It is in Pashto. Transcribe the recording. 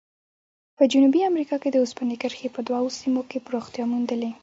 په جنوبي امریکا کې د اوسپنې کرښې په دوو سیمو کې پراختیا موندلې.